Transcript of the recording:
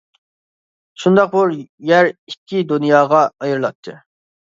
شۇنداق، بۇ يەر ئىككى دۇنياغا ئايرىلاتتى.